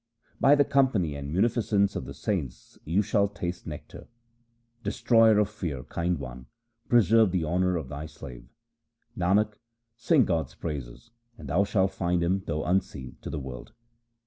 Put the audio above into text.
By the company and munificence of the saints you shall taste nectar. Destroyer of fear, Kind One, preserve the honour of Thy slave. Nanak, sing God's praises, and thou shalt find Him though unseen to the world.